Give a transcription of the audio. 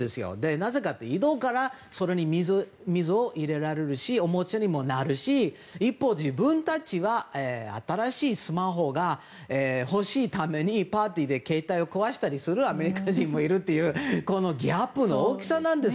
なぜかというと井戸からそれに水を入れられるしおもちゃにもなるし一方で自分たちは新しいスマホが欲しいためにパーティーで携帯を壊したりするアメリカ人もいるというこのギャップの大きさなんです。